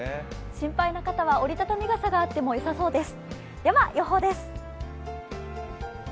心配な方は折り畳み傘があってもよさそうです。